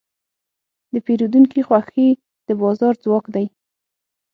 د پیرودونکي خوښي د بازار ځواک دی.